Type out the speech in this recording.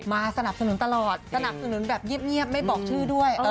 มาสนับสนุนตลอดสนับสนุนแบบเงียบไม่บอกชื่อด้วย